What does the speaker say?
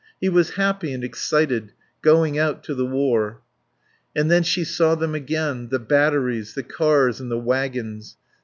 He was happy and excited, going out to the war. And she saw them again: the batteries, the cars and the wagons.